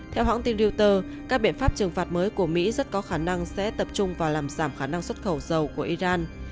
theo hãng tin reuter các biện pháp trừng phạt mới của mỹ rất có khả năng sẽ tập trung vào làm giảm khả năng xuất khẩu dầu của iran